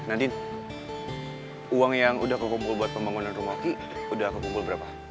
nadine uang yang udah kukumpul buat pembangunan rumah ki udah kukumpul berapa